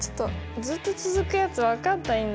ずっと続くやつ分かんないんだけど。